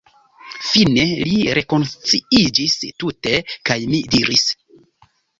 Fine li rekonsciiĝis tute, kaj mi diris: